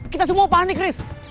kita semua panik riz